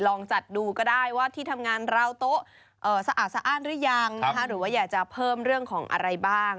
ลองจัดดูก็ได้ว่าที่ทำงานราวโต๊ะสะอาดสะอ้านหรือยังหรือว่าอยากจะเพิ่มเรื่องของอะไรบ้าง